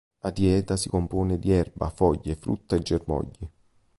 La dieta si compone di erba, foglie, frutta e germogli.